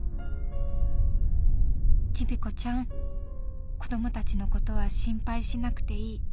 「『チビコちゃん子どもたちのことは心配しなくていい。